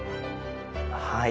はい。